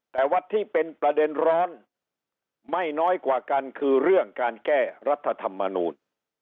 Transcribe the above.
แต่ว่าที่เป็นประเด็นร้อนไม่น้อยกว่ากันคือเรื่องการแก้รัฐธรรมนูล